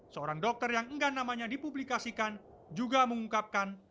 seorang dokter yang enggan namanya dipublikasikan juga mengungkapkan